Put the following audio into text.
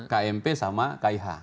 kmp sama kih